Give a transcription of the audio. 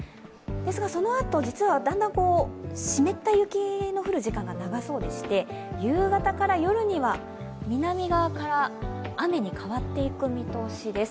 ですがそのあと、実はだんだん湿った雪が降る時間が長そうでして夕方から夜には南側から雨に変わっていく見通しです。